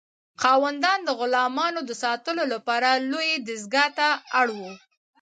خاوندان د غلامانو د ساتلو لپاره لویې دستگاه ته اړ وو.